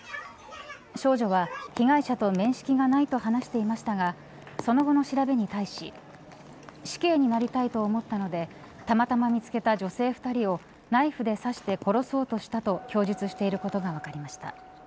少女は被害者と面識がないと話していましたがその後の調べに対し死刑になりたいと思ったのでたまたま見つけた女性２人をナイフで刺して殺そうとしたと供述していることが分かりました。